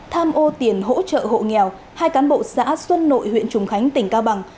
tham ô tiền hỗ trợ hộ nghèo hai cán bộ xã xuân nội huyện trùng khánh tỉnh cao bằng